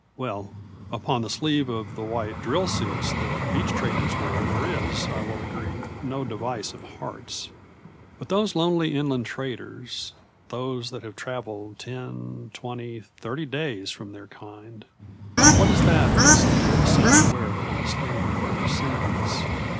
Well, upon the sleeve of the white drill suits that beach traders wear there is, I will agree, no device of hearts. But those lonely inland traders, those that have traveled ten, twenty, thirty days from their kind, what is that they sometimes seem to wear upon the sleeve of their singlets?